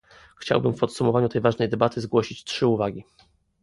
Chciałbym w podsumowaniu tej ważnej debaty zgłosić trzy uwagi